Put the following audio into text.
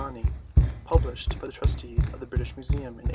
Ani published by the Trustees of the British Museum in 1894.